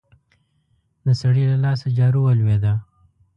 د سړي له لاسه جارو ولوېده.